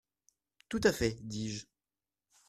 Tout à fait, dis-je.